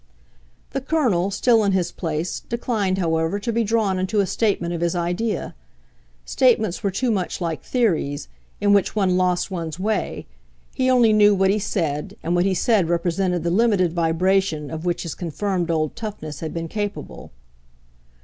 The Colonel, still in his place, declined, however, to be drawn into a statement of his idea. Statements were too much like theories, in which one lost one's way; he only knew what he said, and what he said represented the limited vibration of which his confirmed old toughness had been capable.